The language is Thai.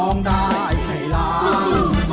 ร้องได้ให้ล้าน